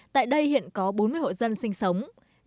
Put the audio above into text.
tại đây hiện có bốn mươi hộ dân sinh sống